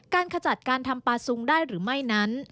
การขจัดการทำประสุนได้หรือไม่นั้น